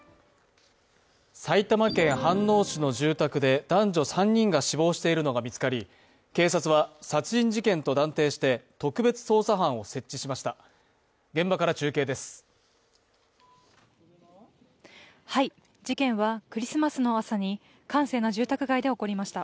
埼玉県飯能市の住宅で男女３人が死亡しているのが見つかり警察は殺人事件と断定して特別捜査班を設置しました。